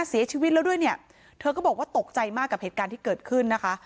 เสียชีวิตแล้วด้วยเนี่ยเธอก็บอกว่าตกใจมากกับเหตุการณ์ที่เกิดขึ้นนะคะ